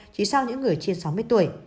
chỉ sau những người trên sáu mươi tuổi